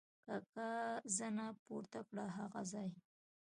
کاکا زنه پورته کړه: هغه ځای!